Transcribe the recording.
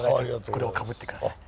これをかぶって下さい。